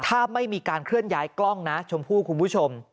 ถ้าไม่มีการเคลื่อนย้ายกล้องนะชมพู่คุณผู้ชม